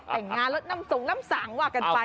เฮ้ยแต่งงานรถน้ำสูงน้ำสางว่ากันไป